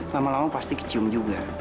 lama lama pasti kecium juga